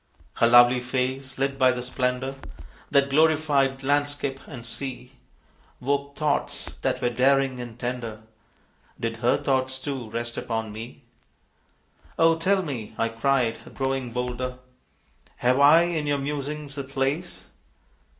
Her lovely face, lit by the splendor That glorified landscape and sea, Woke thoughts that were daring and tender: Did her thoughts, too, rest upon me? "Oh, tell me," I cried, growing bolder, "Have I in your musings a place?"